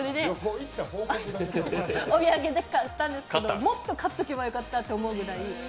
お土産で買ったんですけど、もっと買っておけばよかったというぐらい。